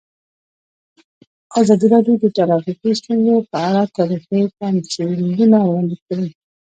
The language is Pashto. ازادي راډیو د ټرافیکي ستونزې په اړه تاریخي تمثیلونه وړاندې کړي.